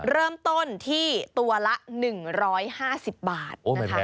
เริ่มต้นที่ตัวละ๑๕๐บาทนะคะ